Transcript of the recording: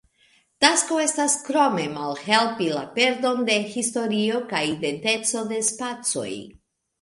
Tasko estas krome malhelpi la perdon de historio kaj identeco de spacoj.